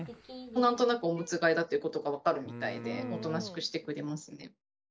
何となくおむつ替えだっていうことが分かるみたいでおとなしくしてくれますね。